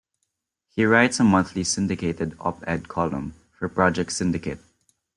He writes a monthly syndicated op-ed column for Project Syndicate.